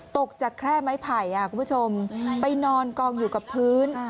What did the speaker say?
ตกจากแคร่ไม้ไผ่คุณผู้ชมไปนอนกองอยู่กับพื้น